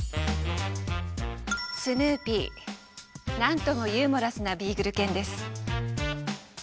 なんともユーモラスなビーグル犬です。